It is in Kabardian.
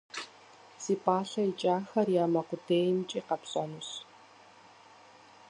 Зи пӏалъэ икӏахэр я мэ къудеймкӏи къэпщӏэнущ.